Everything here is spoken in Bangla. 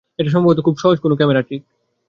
এটা এটা সম্ভবত খুব সহজ কোনো ক্যামেরা-ট্রিক।